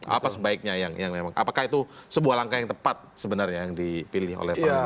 apa sebaiknya yang memang apakah itu sebuah langkah yang tepat sebenarnya yang dipilih oleh pemerintah